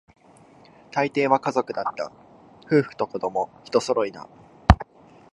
大抵は家族だった、夫婦と子供、一揃いだ